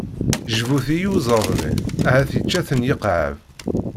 Jbut i iyuzaḍ-nni, ahat yečča-ten yikεeb!